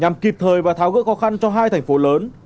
nhằm kịp thời và tháo gỡ khó khăn cho hai thành phố lớn